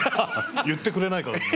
言ってくれないかなと。